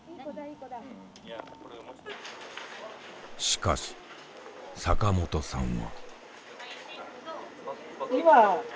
しかし坂本さんは。